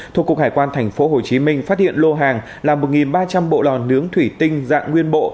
thuộc cục hải quan tp hcm phát hiện lô hàng là một ba trăm linh bộ lò nướng thủy tinh dạng nguyên bộ